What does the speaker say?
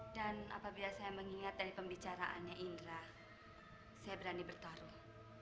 dan apabila saya mengingat dari pembicaraannya indra saya berani bertaruh